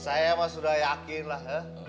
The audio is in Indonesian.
saya mah sudah yakin lah ya